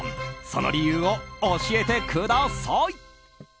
その理由を教えてください！